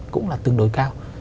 cũng là tương đối cao